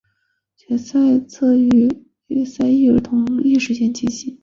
决赛则于预赛翌日同一时间进行。